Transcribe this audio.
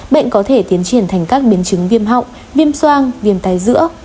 bệnh có thể tiến triển thành các biến chứng viêm họng viêm soang viêm tai dữa